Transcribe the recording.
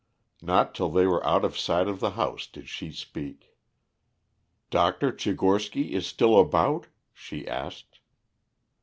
Not till they were out of sight of the house did she speak. "Dr. Tchigorsky is still about?" she asked.